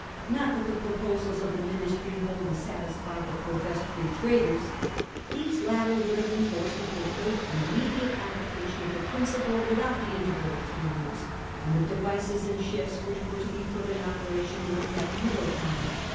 Not that the proposals of the Ministry wholly satisfied the professed Free Traders. These latter would have enforced, if they could, an immediate ap plication of the principle without the interval of three years, and the devices and shifts which were to be put in operation during that middle time.